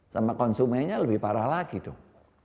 sama konsumennya lebih parah lagi dong